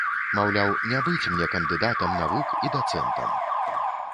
Маўляў, не быць мне кандыдатам навук і дацэнтам.